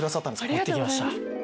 持って来ました。